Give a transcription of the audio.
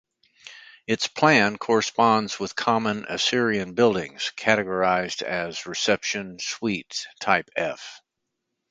Its plan corresponds with common Assyrian buildings (categorised as "Reception Suite Type F").